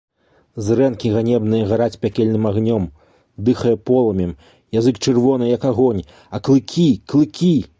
Зрэнкі ганебныя гараць пякельным агнём, дыхае полымем, язык чырвоны, як агонь, а клыкі, клыкі!